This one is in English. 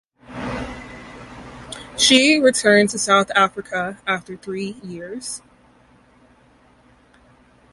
She returned to South Africa after three years.